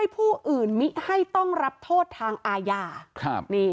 ผู้อื่นมิให้ต้องรับโทษทางอาญา